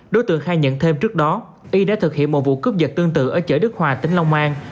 đối tượng khai nhận thêm trước đó y đã thực hiện một vụ cướp dật tương tự ở chợ đức hòa tỉnh long an